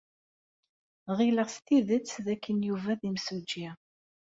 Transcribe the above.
Ɣileɣ s tidet dakken Yuba d imsujji.